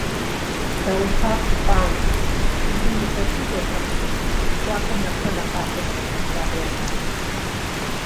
Дау Пакъ къант, пщыжьым и къуэ дыдэтэкъыми, къилъхуахэм нэхърэ нэхъапэ щӏрагъэщари арат.